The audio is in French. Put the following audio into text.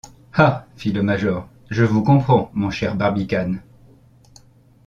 Ah ! fit le major, je vous comprends, mon cher Barbicane.